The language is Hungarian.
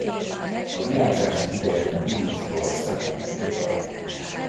A virágzási ideje júliustól szeptemberig tart.